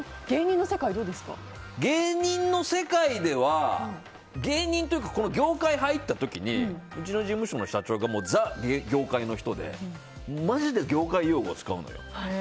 芸人の世界では芸人というかこの業界に入った時にうちの事務所の社長がザ・業界の人でマジで業界用語を使うの。